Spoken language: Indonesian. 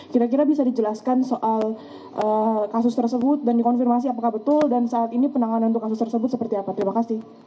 kira kira bisa dijelaskan soal kasus tersebut dan dikonfirmasi apakah betul dan saat ini penanganan untuk kasus tersebut seperti apa terima kasih